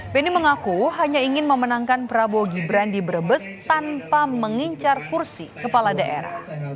beni mengaku hanya ingin memenangkan prabowo gibran di brebes tanpa mengincar kursi kepala daerah